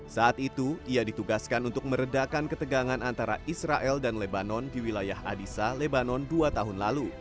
saat itu ia ditugaskan untuk meredakan ketegangan antara israel dan lebanon di wilayah adisa lebanon dua tahun lalu